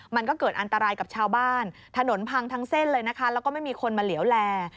มันก็เกิดอันตรายกับชาวบ้านถนนพังทั้งเส้นเลยนะคะแล้วก็ไม่มีคนมาเหลวแล